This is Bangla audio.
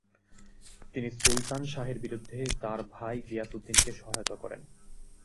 তিনি সুলতান শাহের বিরুদ্ধে তার ভাই গিয়াসউদ্দিনকে সহায়তা করেন।